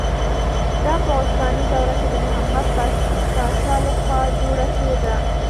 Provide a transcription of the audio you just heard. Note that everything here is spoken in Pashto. دا په عثماني دوره کې د محمد پاشا له خوا جوړه شوې ده.